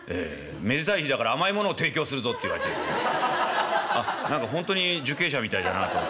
「めでたい日だから甘いものを提供するぞ」って言われてあ何かほんとに受刑者みたいだなと思って。